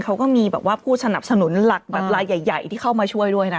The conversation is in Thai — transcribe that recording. เขาก็มีผู้สนับสนุนหลักใหญ่ที่เข้ามาช่วยด้วยนะคะ